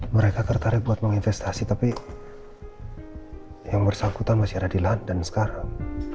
mereka tertarik buat menginvestasi tapi yang bersangkutan masih ada di london sekarang